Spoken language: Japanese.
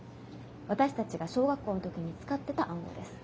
私たちが小学校の時に使ってた暗号です。